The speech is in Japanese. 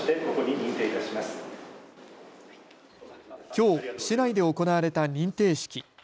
きょう市内で行われた認定式。